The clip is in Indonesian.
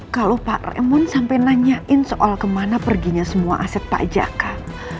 kalau pak raymond sampai nanyain soal kemana perginya semua aset pajakak